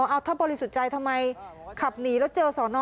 เอาถ้าบริสุทธิ์ใจทำไมขับหนีแล้วเจอสอนอ